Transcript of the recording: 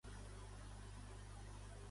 De quin torneig van formar part Càlais i Zetes?